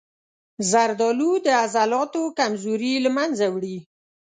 زردآلو د عضلاتو کمزوري له منځه وړي.